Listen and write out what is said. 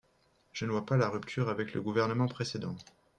Je ne vois pas la rupture avec le gouvernement précédent.